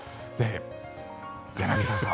柳澤さん。